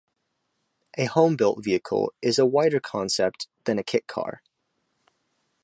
A homebuilt vehicle is a wider concept than a kit car.